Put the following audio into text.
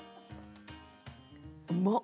うまっ！